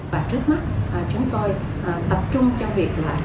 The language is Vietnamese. và trước mắt chúng tôi tập trung cho việc là